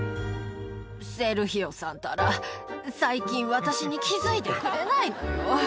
セルヒオさんたら、最近、私に気付いてくれないのよ。